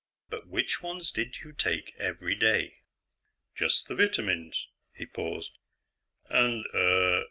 "But which ones did you take every day?" "Just the vitamins." He paused. "And ... uh